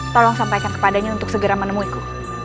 tolong sampaikan kepadanya untuk segera menemuiku